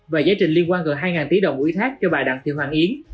và giải trình liên quan gần hai tỷ đồng ủy thác cho bà đặng thị hoàng yến